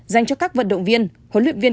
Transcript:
dành cho các vận động viên huấn luyện viên